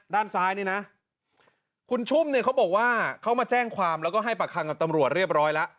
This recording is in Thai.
ตอนสายนี้นะคุณชุ่มเขาบอกว่าเขามาแจ้งความแล้วไปประคังกับตำรวจเรียบร้อยละ